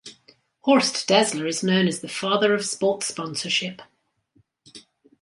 Horst Dassler is known as the father of sport sponsorship.